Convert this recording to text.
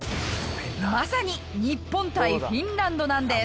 まさに日本対フィンランドなんです。